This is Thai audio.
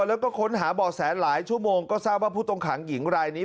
แล้วก็ค้นหาบ่อแสหลายชั่วโมงก็ทราบว่าผู้ต้องขังหญิงรายนี้